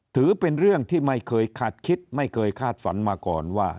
ถือเป็นเรื่องที่ไม่เคยคาดคิดไม่เคยคาดฝันมาก่อนว่า